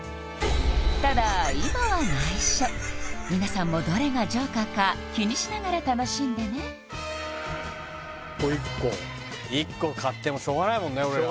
ただ今は内緒皆さんもどれがＪＯＫＥＲか気にしながら楽しんでね１個１個買ってもしょうがないもんね